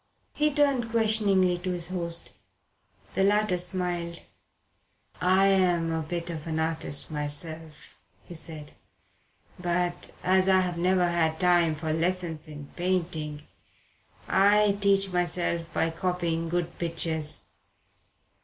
He turned questioningly to his host. The latter smiled. "I'm a bit of an artist myself," he said. "But as I've never had time for lessons in painting, I teach myself by copying good pictures.